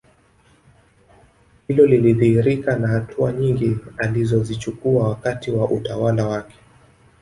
Hilo lilidhihirika na hatua nyingi alizozichukua wakati wa utawala wake